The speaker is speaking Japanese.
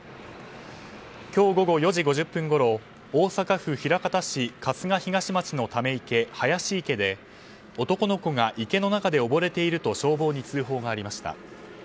今日午後４時５０分ごろ大阪府枚方市春日東町のため池、ハヤシ池で男の子が池の中で溺れていると消防に通報がありました。